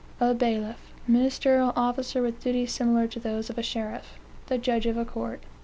A bailiff: a ministerial officer with duties similar to those of a sheriff. The judge of a court.